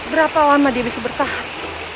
berapa lama dia bisa bertahan